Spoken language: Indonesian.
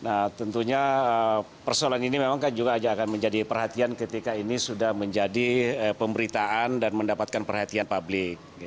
nah tentunya persoalan ini memang kan juga akan menjadi perhatian ketika ini sudah menjadi pemberitaan dan mendapatkan perhatian publik